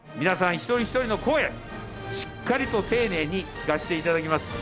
一人一人の声しっかりと丁寧に聞かせていただきます